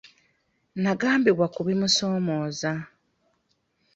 Nagambibwa ku bimusoomooza.